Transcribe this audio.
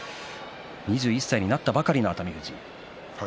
２１歳になったばかりの熱海富士。